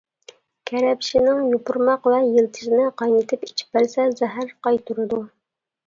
كەرەپشىنىڭ يوپۇرماق ۋە يىلتىزىنى قاينىتىپ ئىچىپ بەرسە، زەھەر قايتۇرىدۇ.